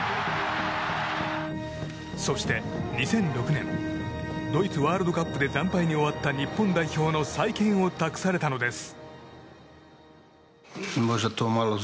そして、２００６年ドイツワールドカップで惨敗に終わった日本代表の再建を託されたのです。